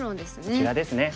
こちらですね。